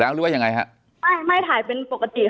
แต่คุณยายจะขอย้ายโรงเรียน